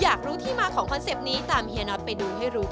อยากรู้ที่มาอันนี้ตามฮิานอทไปดูให้รู้ค่ะ